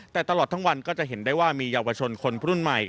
แต่ตลอดทั้งวันก็จะเห็นได้ว่ามีเยาวชนคนรุ่นใหม่